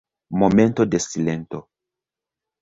Momento de silento!